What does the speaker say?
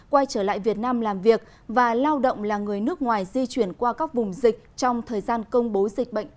quay trở lại việt nam làm việc và lao động là người nước ngoài di chuyển qua các vùng dịch trong thời gian công bố dịch bệnh